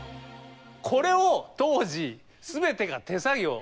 これを当時全てが手作業。